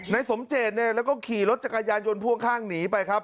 สมเจตเนี่ยแล้วก็ขี่รถจักรยานยนต์พ่วงข้างหนีไปครับ